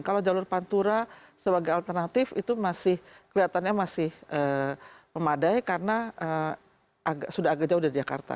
kalau jalur pantura sebagai alternatif itu masih kelihatannya masih memadai karena sudah agak jauh dari jakarta